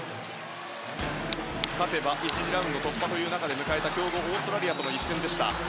勝てば１次ラウンド突破という中で迎えた強豪、オーストラリアとの一戦でした。